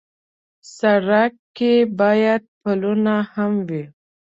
سړک کې باید پلونه هم وي.